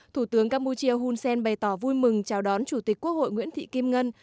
thủ tướng campuchia hun sen bày tỏ vui mừng chào đón chủ tịch quốc hội nguyễn thị kim ngân